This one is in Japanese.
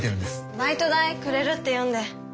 バイト代くれるって言うんで。